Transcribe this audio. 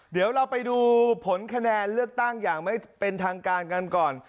เดี๋ยวเราไปดูผลคะแนนเลือกตั้งอย่างไม่เป็นทางการกันก่อน